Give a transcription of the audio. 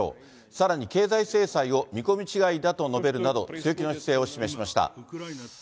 さらに経済制裁を見込み違いだと述べるなど、強気の姿勢を示しました。